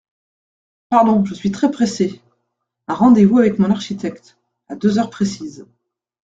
Pardon, je suis très pressé… un rendez-vous avec mon architecte… à deux heures précises…